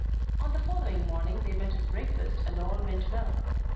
On the following morning they met at breakfast, and all went well.